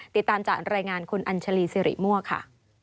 ติดตามจากรายงานคุณอัญชาลีสิริมั่วค่ะ